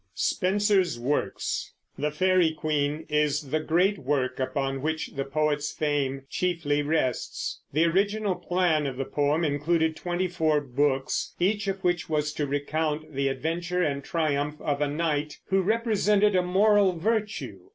SPENSER'S WORKS. The Faery Queen is the great work upon which the poet's fame chiefly rests. The original plan of the poem included twenty four books, each of which was to recount the adventure and triumph of a knight who represented a moral virtue.